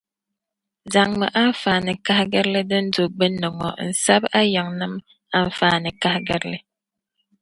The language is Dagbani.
Zaŋmi anfooni-kahigirili din do gbunni ŋɔ n sabi a yiŋa nima anfooni kaligirili.